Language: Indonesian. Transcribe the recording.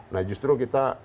nah justru kita